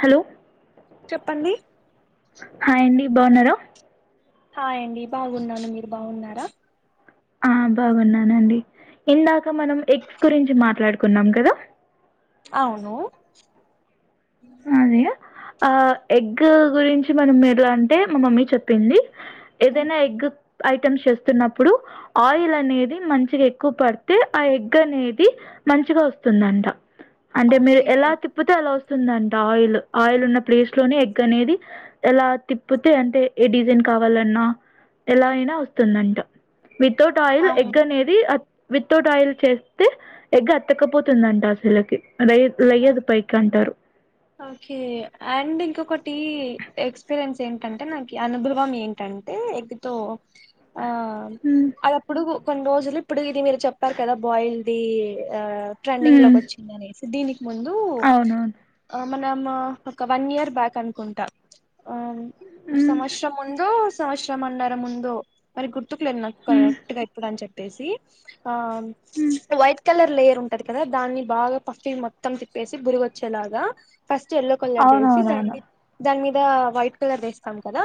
Hello చెప్పండీ. బావున్నారా. Hi అండి బాగున్నాను, మీరు బాగున్నారా. ఆ బాగున్నానండి. ఇందాక మనం ఎగ్స్ గురించి మాట్లాడుకున్నాం కదా. అవునూ. అదే. ఆ ఎగ్గూ గురించి మనం ఎట్లా అంటే మా మమ్మీ చెప్పింది. ఏదైనా ఎగ్గు ఐటమ్స్ చేస్తున్నప్పుడు, ఆయిల్ అనేది మంచిగ ఎక్కువ పడితే ఆ ఎగ్ అనేది మంచిగా వస్తుందంట. అంటే మీరు ఓకే ఎలా తిప్పుతే అలా వస్తుందం టా ఆయిలు. ఆయిల్ ఉన్న ప్లేస్ లోనే ఎగ్ అనేది, ఎలా తిప్పుతే అంటే ఏ డిజైన్ కావాలన్న్ నా ఎలా అయినా వస్తుందంట. వితౌట్ ఆయిల్ ఎగ్ అవునా అనేదీ అ వితౌట్ ఆయిల్ చేస్తే ఎగ్ అత్తుకుపోతుందంటా అసలకి. రైయద్ లెయ్యదు పైకి అంటారు. ఓకే ఆండ్ ఇంకొకటీ ఎక్స్పీరియన్స్ ఏంటంటే నాకీ అనుభవం ఏంటం అంటే ఎగ్ తో ఆ ఉమ్. అదప్పుడూ కొన్ని రోజులు ఇప్పుడు ఇది మీరు చెప్పారు కదా బాయిల్దీ ఆ ట్రెండింగ్ హ్మ్ లోకి వచ్చింది అనేసి దీనికి ముందూ. అవునవును. మనం ఆ ఒక వన్ ఇయర్ బ్యాక్ అనుకుంటా. ఆ హ్మ్. సంవత్సరం ముందూ సంవత్సరం అన్నర ముందో. మరి గుర్తుకు లేదు నాక్ హ్మ్. కరెక్ట్ గా ఇప్పుడు అని చెప్ప్ ప్పేసీ. ఆ హ్మ్. వైట్ కలర్ లేయర్ ఉంటది కదా దాన్ని బాగా పఫ్ఫీ మొత్తం తిప్ పెసి బురగోచ్చేలాగా ఫస్ట్ ఎల్లో కలర్ దేసి దాని అవునవునవును. దాని మీద వైట్ కలర్ దేస్తాం కదా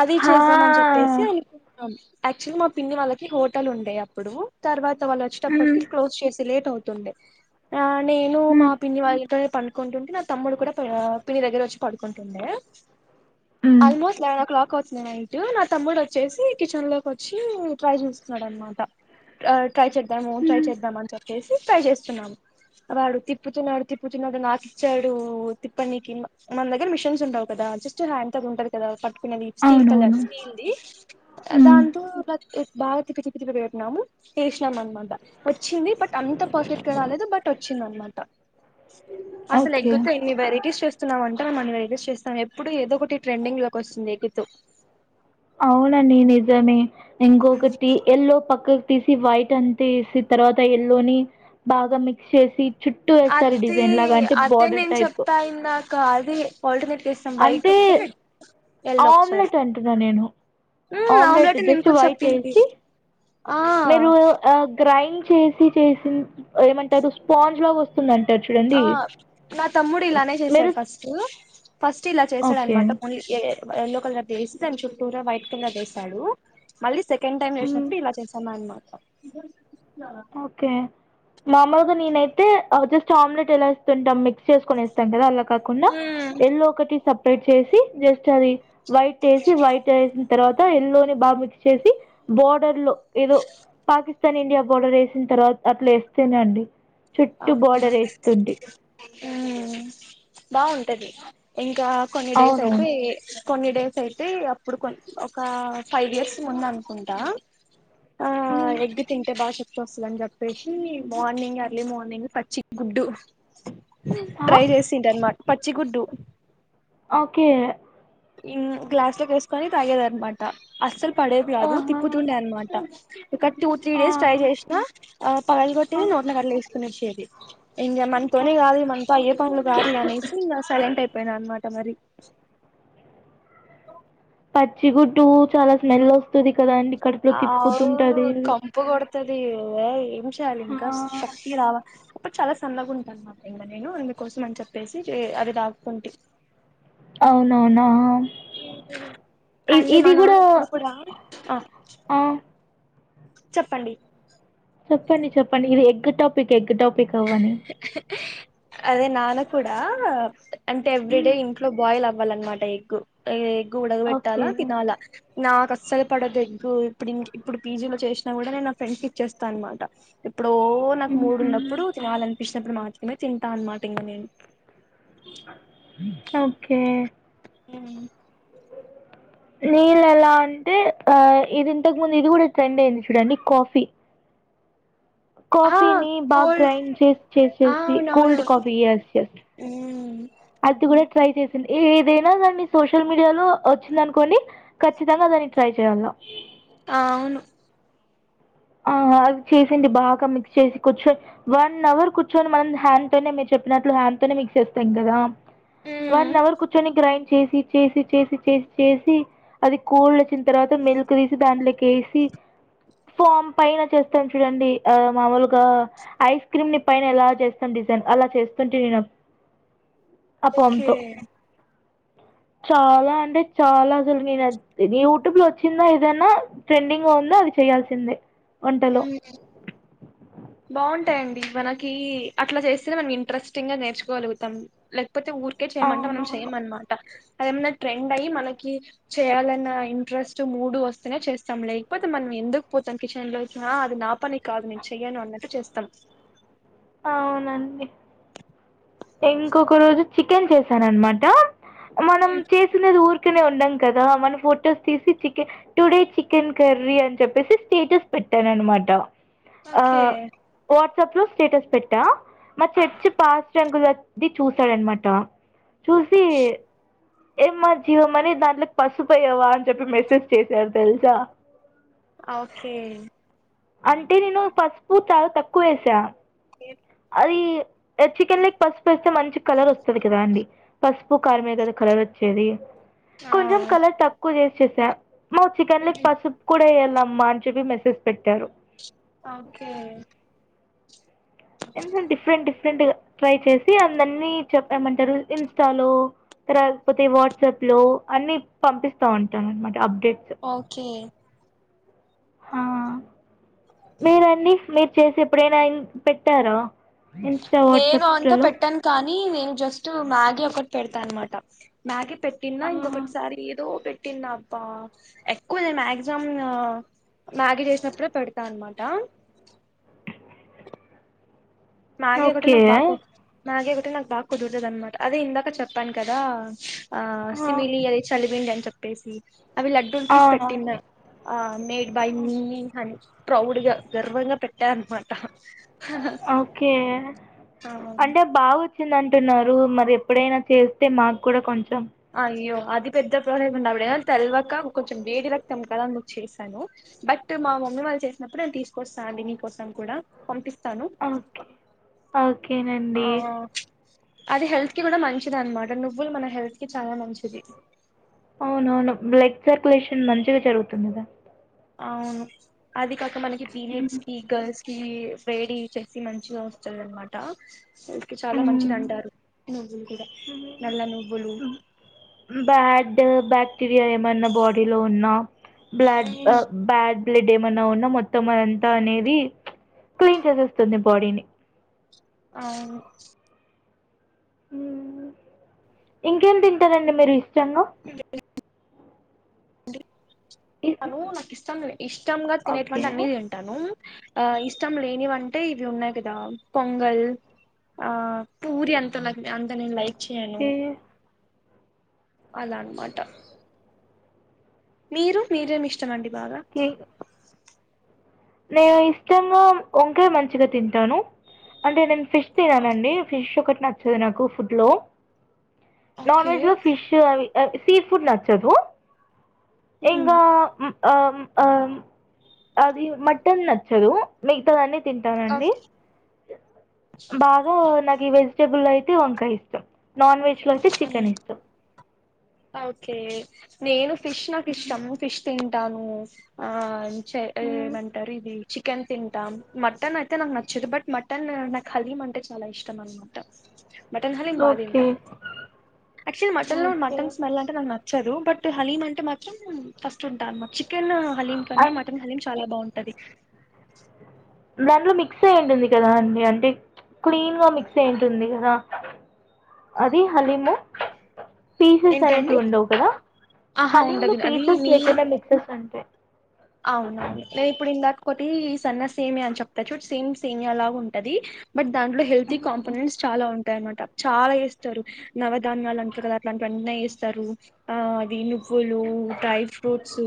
అది హా! చేద్దాం అని చెప్పేసి అనుకున్నాం యాక్చువల్గా మా పిన్ని వాళ్ళకి హోటల్ ఉండే అప్పుడు తర్వాత వాళ్ళ హ్మ్. వచ్చేటప్పటికి క్లోజ్ చేసి లేట్ అవుతుండే ఆ నేను హ్మ్. మా పిన్ని వాళ్ళతో కుంటుంటే నా తమ్ముడు కూడా ప పిన్ని దగ్గర వచ్చి పడుకుంటుండే హ్మ్. ఆల్మోస్ట్ లెవెన్ ఓ క్లాక్ కొచ్చింది నైట్ నా తమ్ముడు వచ్చేసి కిచెన్ లోకి వచ్చి ట్రై చేస్తున్నాడు అనమాట ఆ ట్రై చేద్దాం ట్రై హ్మ్. చేద్దాం అని చెప్పేసి ట్రై చేస్తున్నాము వాడు తిప్పుతున్నాడు తిప్పుతున్నాడు నాక్ కిచ్చాడు తిప్పనికి మన దగ్గర మిషన్స్ ఉండవు కదా జస్ట్ హ్యాండ్ తగ్ ఉంటది కదా కునేది స్టిల్ కలర్ అవునవును. స్టిల్ ది హ్మ్. దాంతో రత్ బాగా తిప్పి తిప్పి తిప్పి పెట్నాము చేసినాం అనమాట వచ్చింది బట్ అంత పర్ఫెక్ట్ గా రాలేదు బట్ టోచ్చిందన్నమాట అ అసలు ఎగ్గుతో ఎన్ని వెరైటీస్ చేస్తున్నాం మం టం వారైటీస్ చేస్తాం ఎప్పుడు ఏదో ఒకటి ట్రెండింగ్ లోకోస్తుంది ఎగ్తో అవునండి నిజమే ఇంకొకటి ఎల్లోో పక్క తీసి వైట్ అంతిసి తర్వాత ఎల్లోని బాగా మిక్స్ చేసి చుట్టూ ఏస్తారు అది డిజైన్ లాగా అంటే అదే బోర్డర్ నేను టైప్. చెప్తా ఇందాక అది ఆల్టర్నేట్ చేస్తాం బయట్ అంటే ఆమ్లెట్ అంటున్నా నేను మ్మ్ ఆమ్లెట్ నేను జస్ట్ కూడా వైట్ చెప్పింది వేసి ఆ మీరు గ్రైండ్ ఆ చేసి చేసి ఏమంటే అ స్పాంజ్ లాగోస్తుందం ఆ నా తమ్ముడు ఇలానే మీరు చేశాడు ఫస్ట్ ఫస్ట్ ఇలా ఓకే చేశాడన్నమాట ము ఎ ఎల్లో కలర్ వేసి దాని చుట్టూర వైట్ కలర్ దేసాడు మళ్ళీ సెకండ్ టైమ్ మ్మ్. చేసినప్పుడు ఇలా చేసామానమాట ఓకే మామూలుగా నేనైతే జస్ట్ ఆమ్లెట్ ఎలా ఎస్తుంటం మిక్స్ చేసుకొని ఎస్తుం కదా అలా కాకుండా మ్మ్ ఎళ్ళో ఒకటి సపరేట్ చేసి జస్ట్ అది వైట్ వేసి వైట్ వేసిన తర్వాత ఎల్లోని బాగా మిక్స్ చేసి బోర్డర్ లో ఏదో పాకిస్తాన్ ఇండియా బోర్డర్ వేసిన తర్వాత అట్లా వేస్తేనే అండి చుట్టు ఓకే బోర్డర్ వేస్తుంటి మ్మ్ బాగుంటది ఇంకా కొన్ని డేస్ అయితే అవునవును కొన్ని డేస్ అయితే అప్పుడు కొ ఒక ఫైవ్ ఇయర్స్ ముందనుకుంటా ఆ మ్మ్. ఎగ్ తింటే బాగా శక్తి వస్తదని చెప్పేసి మార్నింగ్ ఎర్లీ మార్నింగ్ పచ్చి గుడ్డు ఆ? ట్రై చేసింటన్నమాట పచ్చిగుడ్డు ఓకే మ్ గ్లాస్ లోకేసుకొని తాగేదనమాట అస్సలు పడేది కాదు ఆహా తిప్పుతుండే అనమాట ఇక టూ త్రీ డేస్ ట్రై ఆ చేసినా పగుల కొట్టేది నోట్లో కట్లేసుకునేసేది ఇంగ మనుకొని అది మనతో అయ్యే పనులు కాదులే అనేసి ఇంగ సైలెంట్ అయిపోయిన అనమాట మరి అ పచ్చిగుడ్టు చాలా స్మెల్ వస్తది కదా అండి కడుపులో తిప్పుతుంటది అది ఏం చేయాలి హా ఇంకా శక్తి రావా అప్పుడు చాలా సన్నగా ఉంటా అన్మాట ఇంగ నేను అందుకోసం అని చెప్పేసి అది తగుతుంటి అవునవునా ఆ ఇద్ అండ్ ఇది మా గుడా నాన్న ఇప్పుడు కూడా ఆ ఆ చెప్పండి చెప్పండి చెప్పండి ఇది ఎగ్ టాపిక్ ఎగ్ టాపిక్ అవ్వని అదే నాన్న కూడా ఆ అంటే ఎవ్రీ డే మ్ ఇంట్లో బాయిలమ్ వ్వలన్ మాట ఎగ్గు ఎ ఎగ్గు ఉడగ ఓకే పెట్టాలా తినాల నాక్ అస్సల్ పడదు ఎగ్గు ఇప్పుడింకి ఇప్పుడు పీజీ లో చేష్ నా గుడా నేన్ నా ఫ్రెండ్స్ ఇచ్చేస్తా అన్ మాట ఎప్పుడో నాక్ మ్హూ మూడున్నప్పుడు ఫిష్ అప్పుడు మాత్రమే తింటా అన్ మాట ఇంగ నేను ఓకే ఉమ్ [inaudible] నీల్ ఎలా అంటే ఆ ఇది ఇంతక్ ముందు ఇది కూడా ట్రెండ్ అయింది చూడండి కాఫీ ఆ కాఫీని బాగ్ కోల్డ్ గ్రైండ్ చేస్ చేసేసి కోల్డ్ కాఫీ ఎస్ ఎస్ హ్మ్ అద్దు గుడా ట్రై చేసింది ఏ ఏదైనా గాని సోషల్ మీడియాలో వచ్చింది అనుకోండి ఖచ్చితంగా ఆ కాని ట్రై చేయల్ నో ఔను ఆ అద్ చేసింది బాగా మిక్స్ చేసి కూర్చొ వన్ అవర్ కూర్చొని మనం హ్యాండ్ తోనే మేచల్ చెప్పినట్లు హ్యాండ్ తోనే మిక్స్ చేస్తాం గదా వన్ మ్మ్ అవర్ కూర్చొని గ్రైండ్ చేసి చేసి చేసి చేసి చేసి అది కోల్డ్ ఓచ్చిన్ తర్ వాత మిల్క్ తీసి దాంట్ల కేసి అ ఫోమ్ పైన చేస్తాం చూడండి ఆ మామూలుగా ఐస్ క్రీమ్ ని పైన ఎలా చేస్తాం డిజైన్ ఆ అలా చేస్తుంటి నేన్ అప్ ఓకే ఆ చాలా అంటే చాలా అసలు నేనయ్ ది యూటూబ్ లో వచ్చిందా ఏదన్నా ట్రెండింగ్ లో ఉన్న అది చేయాల్ స్ సింధె వంటలో బాఉంటాయండి మనకి అట్లా జేస్తేనే మనం ఇంట్రెస్టింగ్ గా నేర్చుకోలుగుతాం లేట్ పోతే ఊర్ కే చేయమంట మనం చెయ్ అవునవును మన్ మాట అదేమన్నా ట్రెండ్ అయ్యి మనకి చేయాలన్న ఇంట్రెస్ట్ మూడు వస్తేనే చేస్తాం లేక్ పోతే మన్ మే ఎందుక్ పోతను కిచెన్ లోకి ఆ అది నా పని కాదు నేను చెయను అన్నట్టు చేస్తామ్ ఔనండి ఇంకొక రోజు చికెన్ చేసానన్ మాట మనం చేసినది ఊర్ ఇకనే ఉండం కదా మన ఫొటోస్ తీసి చికెన్ టుడే చికెన్ కర్రీ అని చెప్పేసి స్టేటస్ పెట్ ట్టనన్ మాట ఓకే వాట్సాప్ లో స్టేటస్ పెట్టా మా చర్చి పాస్ట్ అంకుల్ ది చూసాడన్ మాట చూసి ఈ ఏమ్ మా జీవమని దాంట్లక్ పసుపెయావా అన్ చెప్పి మెసేజ్ చేశార్ తెల్ సా ఆ ఓకే అంటే నేను పసుపు చాల్ తక్కు వేసా ఏమ్ అది అద్ చికెన్ లీక్ పసుపెస్తే మంచి కలర్ వస్తది కదా అండి పసుపు కారమే కదా కలరోచ్ ఏది కొంచం ఆ, కలర్ తక్కుజెస్ చేసా మో చికెన్ లిక్ పసుప్ కూడా యేయాలమ్ అమ్మా అన్ చెప్పి మెసేజ్ పెట్టారు ఓకే ఎందు డిఫరెంట్ డిఫరెంట్గా ట్రై చేసి అందర్నీ చెప్ ఏంమంటారు ఇన్స్టలో రాకపోతే వాట్సాప్ లో అన్ని పంపిస్తా ఉంటానానమాట ఓకే ఆ మీరండి మీరు చేసి ఎప్పుడైనా ఆయన పెట్టారా ఇన్స్టా నేను అంతా వాట్సాప్స్లలో పెట్టాను కానీ నేను జస్ట్ మ్యాగీ ఒకట్ పెడతా అనమాట మ్యాగీ పెట్టినా ఇంకొకటిసారి ఏదో పెటి నాభా ఎక్కువఅది మాక్సిమమ్ మ్యాగీ చేసినప్పుడే పెడతా అన్నమాట మాగ్గీ ఒకటే ఓకే నా బాపు మ్యాగే ఒకటి నాకు బాగా కుదురుతది అనమాట అదే ఇందాక చెప్పాను కదా ఆ సిమిలి అదే చలివింది అని చెప్పేసి అవి లడ్డూలు తీసి అవునా పెట్టిన్నా ఆ నే బయమీ హనీ ప్రావుడ్ గా గర్వంగా పెట్టానామాట కే అంటే బవ్ వచ్చిందంటున్నారు మరి ఎప్పుడైనా చేస్తే మాకు కూడా కొంచెం అయ్యో అది పెద్ద ప్రయోగం అప్పుడేం తెల్వక కొంచెం వేడి రక్తం కదా అందుకు చేశాను బట్ మా మమ్మీ వాళ్ళు చేసినప్పుడు నేను తీసుకొస్తాను అండి నీకోసం కూడా పంపిస్త ఓకే ఆ ఓకేనండి అది హెల్త్ కి కూడా మంచిది అనమాట నువ్వులు మన హెల్త్ కి చాలా మంచిది అవునవును బ్లడ్ సర్కులేషన్ మంచిగా జరుగుతుందిదా అవును అది కాక మనకి పీరియడ్స్కీ గర్ల్స్ వేడి చేసి మంచిగా వస్తదాన్మాట హెల్త్ కీ చాలా మంచిది మ్మ్. అంటారు నువ్వులు కూడా నల్ల నువ్వులు బాడ్ బాక్టీరియా ఏమన్నా బాడీలో ఉన్నా బ్లడ్ ఆ అవును బ్యాడ్ బ్లడ్ ఏమైన్నా ఉన్నా మొత్తం అదంతా అనేది క్లీన్ చేసేస్తుంది బాడీని ఆవును హ్మ్ ఇంకేం తింటారండి మీరు ఇష్టంగా ఏంటి ఇ- తను నాకు ఇస్తంది ఇష్టంగా తినేటివి ఓకే అంటే అన్నీ తింటాను ఆ ఇష్టం లేనివంటే ఇవి ఉన్నాయి కదా పొంగల్ ఆ పూరి అంతల అంత నేను లైక్ చేయను ఏ- అలా అన్మాట మీరు మీరేమి ఇష్టమండి బాగా ఈ- నేను ఇష్టంగా వంకాయ మంచిగా తింటాను అంటే నేన్ ఫిష్ తిననండి ఫిష్ ఒకటి నచ్చదు నాకు ఫుడ్ లో ఓకే నాన్వెజ్ లో ఫిష్ అవి సీ ఫుడ్ నచ్చదు ఇంగ ఉమ్, అం అం అది మ టన్ నచ్చదు మిగతావని తింటానండి బాగా నాక్ ఇ వెజిటుల్ టే వంకాయ ఇష్టం నాన్వెజ్ ఓకే నేను ఫిష్ నాకు హ్మ్. ఇష్టం ఫిష్ తింటాను ఆ చే హ్మ్. ఏమంటారు ఇది చికెన్ తింటాం మటన్ అయితే నాకు నచ్చేది బట్ మటన్ నాకు హలీం అంటే చాలా ఇష్టం అనమాట మటన్ హలీమ్ బా ఓకే. తింటా యాక్చువల్లీ మటన్ లో ఓకే. మటన్ స్మెల్ అంటే నాకు నచ్చదు బట్ హలీం అంటే మాత్రం ఫస్ట్ ఉంటా చికెన్ హలీం కన్నా అండ్ మటన్ హలీం చాలా బాగుంటది దాంట్లో మిక్స్ అయి ఉంటుంది కదా అండి అంటే క్లీన్ గా మిక్స్ అయి ఉంటుంది కదా అది హాలిము పీసెస్ ఏంటండి అనేటివి ఉండవు కదా ఆహా హలీంలు ఉండదు అది పీసెస్ నీ లేకునా మిక్సెస్ ఉంటాయి అవునవును నేను ఇప్పుడు ఇందాక ఒకటి సన్న సేమియా అని చెప్తారు సేమ్ సేమిలాగా ఉంటది బట్ దాంట్లో హెల్తీ కాంపనెంట్స్ చాలా ఉంటాయన్నమాట చాలా ఏస్తారు నవధాన్యాలు అంటరూ కదా ఇలాంటివన్న ఏస్తారు ఆ అది నువ్వులు డ్రై ఫ్రూట్స్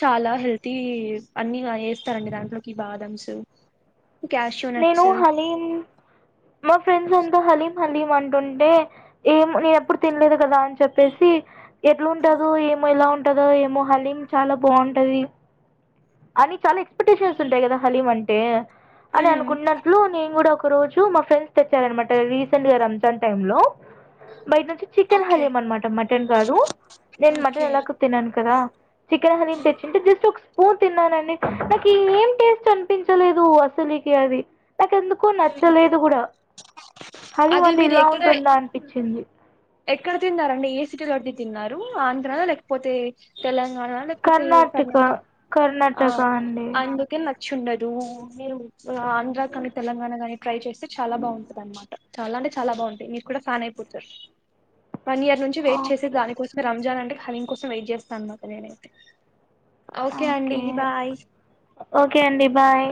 చాలా హెల్తీ అన్ని వేస్తారండి దాంట్లోకి బాదమ్స్ క్యాషూ నేను నట్స్ హలీం మా ఫ్రెండ్స్ అంత హలీం హాలీమంటుంటే ఏం నేను ఎప్పుడు తినలేదు కదా అని చెప్పేసి ఎట్లా ఉంటదొ ఏమో ఏలా ఉంటందో ఏమో హలీం చాలా బాగుంటది అని చాలా ఎక్స్పెక్టేషన్స్ ఉంటాయి కదా హలీమ్ అంటే అని అనుకున్నట్లు నేను కూడా ఒక రోజు మా ఫ్రెండ్స్ తెచ్చారనమాట రీసెంట్ గా రంజాన్ టైమ్ లో బయట నుంచి చికెన్ ఓకే హలిం అనమాట మటన్ కాదు నేను ఓకే మటన్ ఎలాకు తినను కదా చికెన్ హలీం తెచ్చింటే జస్ట్ ఒక స్పూన్ తిన్నానండి నాకు ఏం టేస్ట్ అనిపించలేదు అసలుకి అది నాక ఎందుకో నచ్చలేదు కూడా హల్లెం అది అంటే మీరు ఇలా ఎక్కడ ఉంటుందా అనిపించింది ఎక్కడ తిన్నారండి ఏ సిటీ లో అది తిన్నారు ఆంధ్రాలో లేకపోతే తెలంగాణ లేకపోతే కర్ణాటక ఆ కర్ణాటక అండి అందుకే నచ్చ ఉండదు మీరు ఆంధ్ర కానీ తెలంగాణ కానీ ట్రై చేస్తే చాలా బాగుంటదన్న మాట చాలా అంటే చాలా బాగుంటాయి మీరూ కూడా ఫ్యాన్ అయిపోతారు వన్ ఇయర్ నుంచి వెయిట్ చేసి ఓకే దానికోసమే రంజాన్ అంటే హలీం కోసం వెయిట్ చేస్తాను అనమాట నేనైతే ఓకే అండి బాయ్ ఓకే అండి బాయ్